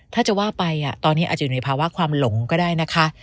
ถ้าจะว่าไปตอนนี้อาจจะอยู่ในภาวะความหลงก็ได้นะคะ